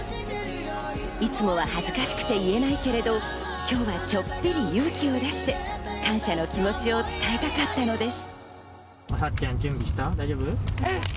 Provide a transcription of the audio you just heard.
いつもは恥ずかしくて言えないけれど、今日はちょっぴり勇気を出して感謝の気持ちを伝えたかったのです。